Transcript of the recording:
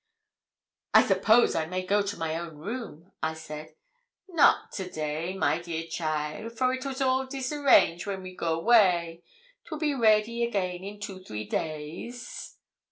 'I suppose I may go to my own room?' I said. 'Not to day, my dear cheaile, for it was all disarrange when we go 'way; 'twill be ready again in two three days.'